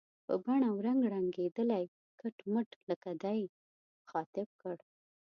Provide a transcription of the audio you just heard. په بڼه او رنګ رنګېدلی، کټ مټ لکه دی، مخاطب کړ.